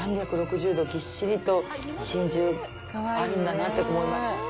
３６０度ぎっしりと真珠あるんだなって思います。